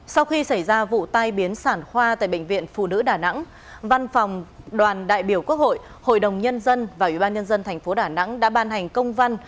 sau khi xảy ra vụ tai biến sản khoa tại bệnh viện phụ nữ đà nẵng văn phòng đoàn đại biểu quốc hội hội đồng nhân dân và ủy ban nhân dân tp đà nẵng đã ban hành công văn